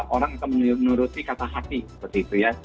orang akan menuruti kata hati seperti itu ya